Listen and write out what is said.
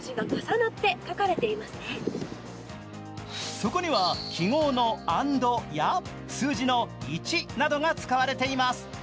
そこには記号の＆や、数字の１などが使われています。